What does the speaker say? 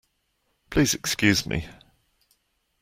Please excuse me.